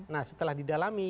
nah setelah didalami